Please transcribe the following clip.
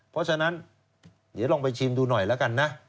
เพราะฉะนั้นเดี๋ยวลองไปชิมดูหน่อยแล้วกันนะ